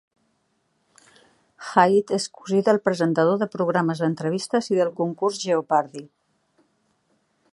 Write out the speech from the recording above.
Haid és cosí del presentador de programes d'entrevistes i del concurs Jeopardy!